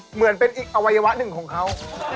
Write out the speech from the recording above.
เหมือนเป็นอีกอวัยวะหนึ่งของเขา